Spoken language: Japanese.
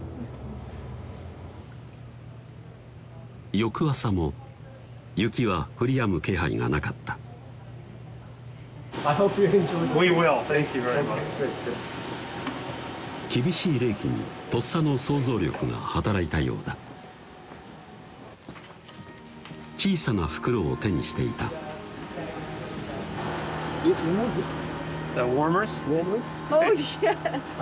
翌朝も雪は降りやむ気配がなかった厳しい冷気にとっさの想像力が働いたようだ小さな袋を手にしていたオーイエス！